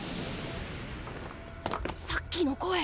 さっきの声。